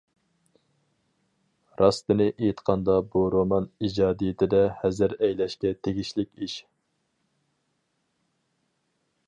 راستىنى ئېيتقاندا بۇ رومان ئىجادىيىتىدە ھەزەر ئەيلەشكە تېگىشلىك ئىش.